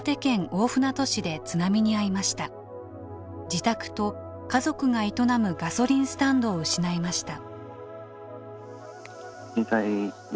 自宅と家族が営むガソリンスタンドを失いました。